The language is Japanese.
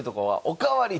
おかわり！